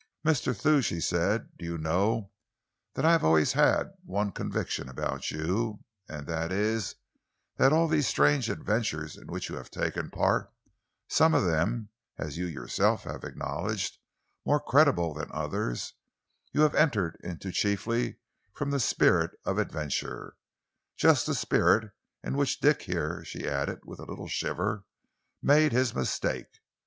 "Mr. Thew," she said, "do you know that I have always had one conviction about you, and that is that all these strange adventures in which you have taken part some of them, as you yourself have acknowledged, more creditable than others you have entered into chiefly from that spirit of adventure, just the spirit in which Dick here," she added with a little shiver, "made his mistake.